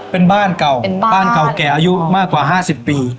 เป็นบ้านเก่าอายุมากกว่าห้าสิบปี